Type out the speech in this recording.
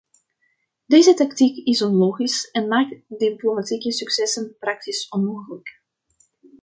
Deze tactiek is onlogisch en maakt diplomatieke successen praktisch onmogelijk.